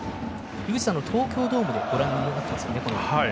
東京ドームでご覧になっていますね。